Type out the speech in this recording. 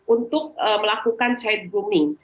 untuk melakukan child grooming